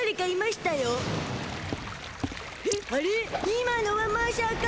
今のはましゃか？